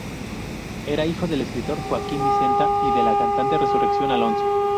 Era hijo del escritor Joaquín Dicenta y de la cantante Resurrección Alonso.